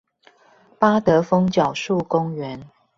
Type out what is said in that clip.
八德楓樹腳公園